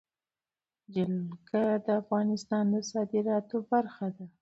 جلګه د افغانستان د صادراتو برخه ده.